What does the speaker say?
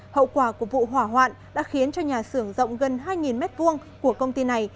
hậu quả của vụ hỏa hoạn đã khiến cho nhà xưởng rộng gần hai m hai của công ty này